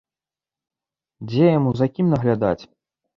Дзе яму за кім наглядаць.